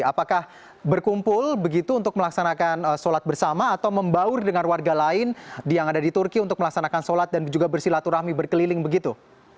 apakah berkumpul begitu untuk melaksanakan sholat bersama atau membaur dengan warga lain yang ada di turki untuk melaksanakan sholat dan juga bersilaturahmi berkeliling begitu